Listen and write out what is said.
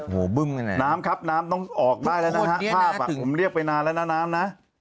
น้ำครับน้ำต้องออกได้แล้วนะฮะ